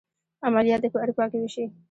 عملیات دې په اروپا کې وشي.